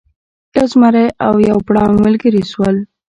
یو زمری او یو پړانګ ملګري شول.